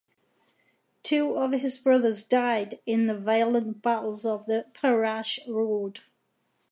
Two of his brothers died in the violent battles of the Perrache road.